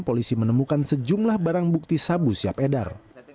polisi menemukan sejumlah barang bukti sabu siap edar